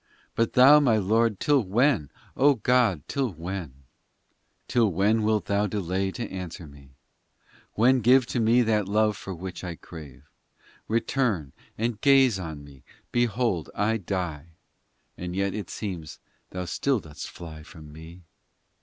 But Thou, my Lord, till when ? O God ! till when, XIX Till when, wilt Thou delay to answer me ? When give to me that love for which I crave ? Return and gaze on me Behold I die And yet it seems Thou still dost fly from me.